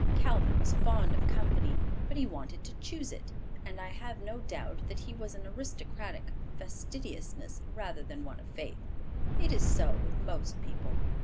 Calvin was fond of company, but he wanted to choose it; and I have no doubt that his was an aristocratic fastidiousness rather than one of faith. It is so with most people.